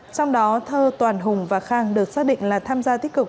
trong đó thơ toàn hùng và khang được xác định là tham gia tích cực